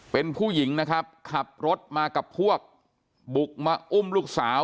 เป็นผู้หญิงนะครับขับรถมากับพวกบุกมาอุ้มลูกสาว